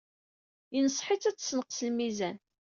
Yenṣeḥ-itt ad tessenqes lmizan.